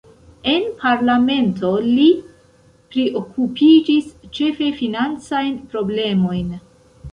En parlamento li priokupiĝis ĉefe financajn problemojn.